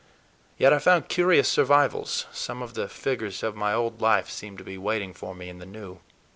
Yet I found curious survivals; some of the figures of my old life seemed to be waiting for me in the new.